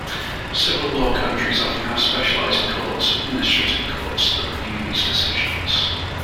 Civil law countries often have specialized courts, administrative courts, that review these decisions.